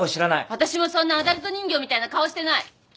私もそんなアダルト人形みたいな顔してない。